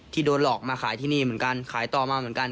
โดนหลอกมาขายที่นี่เหมือนกันขายต่อมาเหมือนกัน